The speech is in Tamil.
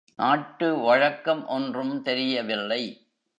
நாட்டு வழக்கம் ஒன்றும் தெரியவில்லை.